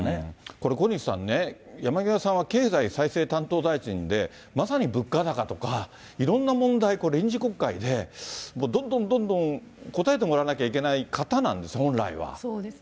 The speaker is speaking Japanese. これ、小西さんね、山際さんは経済再生担当大臣で、まさに物価高とか、いろんな問題、これ、臨時国会で、もうどんどんどんどん答えてもらわなきゃいけない方そうです。